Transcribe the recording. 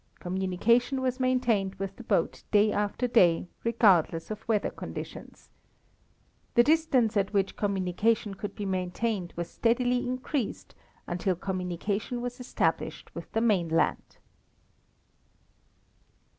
Communication was maintained with the boat day after day, regardless of weather conditions. The distance at which communication could be maintained was steadily increased until communication was established with the mainland.